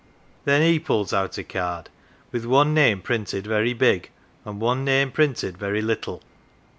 Then he pulls out a card with one name printed very big and one name printed very little.